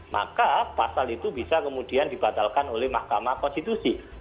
maka pasal itu bisa kemudian dibatalkan oleh mahkamah konstitusi